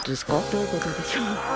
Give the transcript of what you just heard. どういうことでしょう？